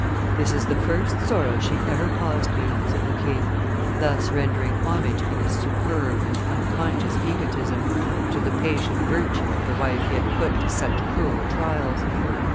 "This is the first sorrow she ever caused me," said the king, thus rendering homage in his superb and unconscious egotism, to the patient virtue of the wife he had put to such cruel trials.